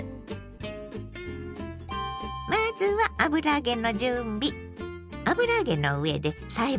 まずは油揚げの準備。